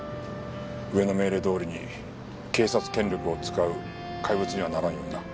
上の命令どおりに警察権力を使う怪物にはならんようにな。